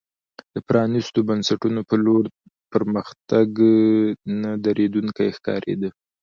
د پرانیستو بنسټونو په لور پرمختګ نه درېدونکی ښکارېده.